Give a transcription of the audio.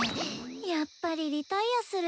やっぱりリタイアする？